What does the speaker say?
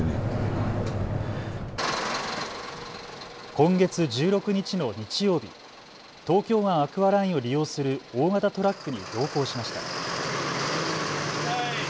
今月１６日の日曜日、東京湾アクアラインを利用する大型トラックに同行しました。